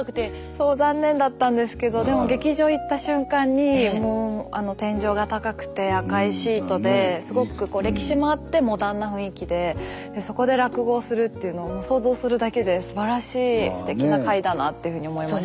そう残念だったんですけどでも劇場行った瞬間にもうあの天井が高くて赤いシートですごく歴史もあってモダンな雰囲気でそこで落語をするっていうのをもう想像するだけですばらしいステキな会だなっていうふうに思いました。